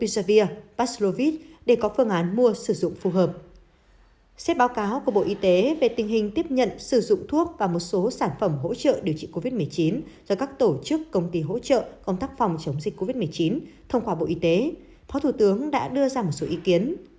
trước báo cáo của bộ y tế về tình hình tiếp nhận sử dụng thuốc và một số sản phẩm hỗ trợ điều trị covid một mươi chín do các tổ chức công ty hỗ trợ công tác phòng chống dịch covid một mươi chín thông qua bộ y tế phó thủ tướng đã đưa ra một số ý kiến